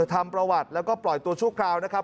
ทำประวัติแล้วก็ปล่อยตัวชั่วคราวนะครับ